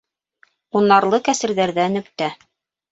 Унарлы кәсерҙәрҙә нөктә